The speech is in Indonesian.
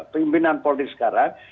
pimpinan polri sekarang